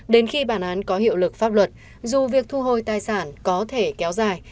đến khi bản án có hiệu lực pháp luật dù việc thu hồi tài sản có thể kéo dài